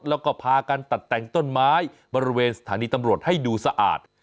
แล้วก็พากันตัดแต่งต้นไม้บริเวณสถานีตำรวจให้ดูสะอาด